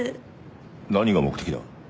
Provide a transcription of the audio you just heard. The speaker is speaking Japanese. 何が目的だ？